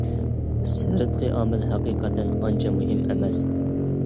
سىرتقى ئامىل ھەقىقەتەن ئانچە مۇھىم ئەمەس.